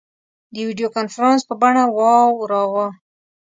د ویډیو کنفرانس په بڼه واوراوه.